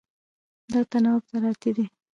دا تناوب زراعتي دی.